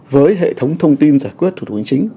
với hệ thống thông tin giải quyết thủ tục hành chính